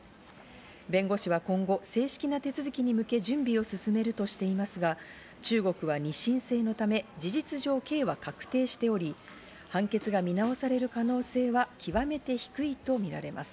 弁護士は今後正式な手続きに向け準備を進めるとしていますが、中国は二審制のため事実上、刑は確定しており、判決が見直される可能性は極めて低いとみられます。